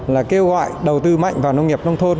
là kêu gọi đầu tư mạnh vào nông nghiệp nông thôn